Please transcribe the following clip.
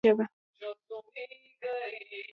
د اړتیا وړ بشري قوت تر مطالعې لاندې نیسي په پښتو ژبه.